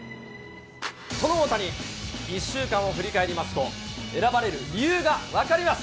その大谷、１週間を振り返りますと、選ばれる理由が分かります。